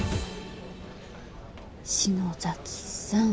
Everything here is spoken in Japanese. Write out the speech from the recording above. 篠崎さん。